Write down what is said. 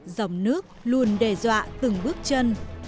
dòng nước luôn đe dọa từng bước chân